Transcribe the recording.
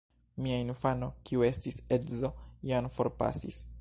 Mia infano, kiu estis edzo, jam forpasis.